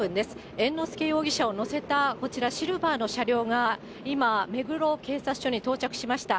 猿之助容疑者を乗せたこちらシルバーの車両が今、目黒警察署に到着しました。